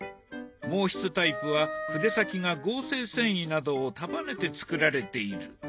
毛筆タイプは筆先が合成繊維などを束ねて作られている。